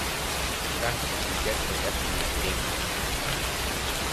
Thatâs what you get for testing my patience.